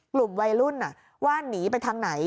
กลุ่มวัยรุ่นว่าหนีไปทางไหน